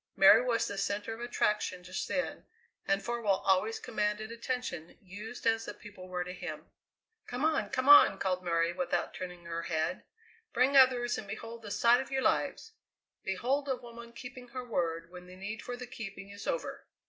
Mary was the centre of attraction just then, and Farwell always commanded attention, used as the people were to him. "Come on! come on!" called Mary without turning her head. "Bring others and behold the sight of your lives. Behold a woman keeping her word when the need for the keeping is over!"